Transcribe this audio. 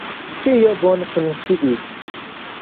Tio bone funkciis.